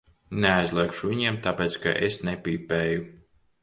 Neaizliegšu viņiem, tāpēc ka es nepīpēju.